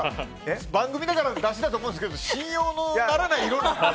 番組だからだしだと思うんですけど信用のならない色で。